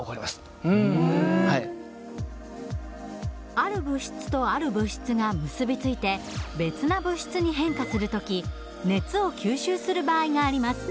ある物質とある物質が結び付いて別な物質に変化する時熱を吸収する場合があります。